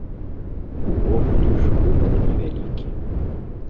Увогуле ж выбар невялікі.